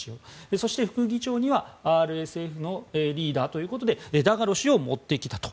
そして、副議長にはＲＳＦのリーダーということでダガロ氏を持ってきたと。